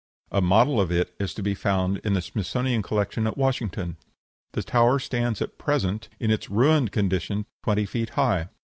A model of it is to be found in the Smithsonian collection at Washington. The tower stands at present, in its ruined condition, twenty feet high.